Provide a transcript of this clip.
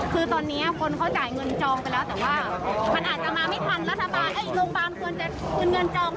คือตอนนี้คนเขาจ่ายเงินจองไปแล้วแต่ว่ามันอาจจะมาไม่ทัน